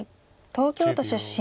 東京都出身。